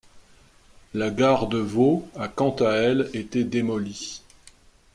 La gare de Vaux a quant à elle été démolie.